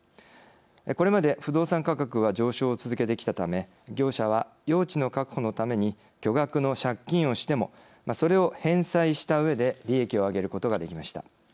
これまで不動産価格は上昇を続けてきたため業者は用地の確保のために巨額の借金をしてもそれを返済したうえで利益を上げることができました。